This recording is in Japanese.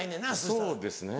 そうですね。